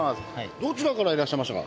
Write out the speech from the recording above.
どちらからいらっしゃいましたか？